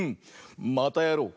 またやろう！